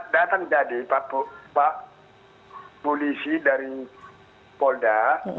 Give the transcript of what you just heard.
datang jadi pak polisi dari polda